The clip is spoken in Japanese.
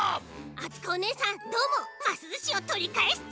あつこおねえさんどーもますずしをとりかえすち！